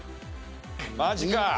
マジか！